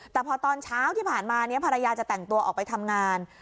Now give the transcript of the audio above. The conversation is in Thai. แต่พอตอนเช้าที่ผ่านมาเนี่ยภรรยาจะแต่งตัวออกไปทำงาน